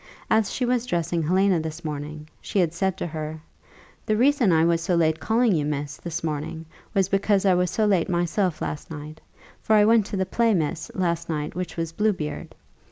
As she was dressing Helena this morning, she had said to her, "The reason I was so late calling you, miss, this morning, was because I was so late myself last night; for I went to the play, miss, last night, which was Bluebeard.